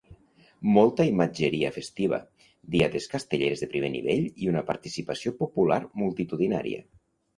Molta imatgeria festiva, diades castelleres de primer nivell i una participació popular multitudinària.